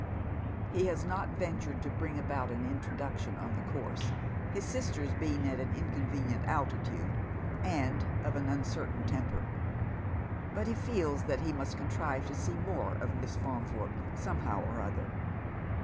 He has not ventured to bring about an introduction on the course, his sisters being at an inconvenient altitude, and of an uncertain temper. But he feels that he must contrive to see more of Miss Faan thorpe somehow or other.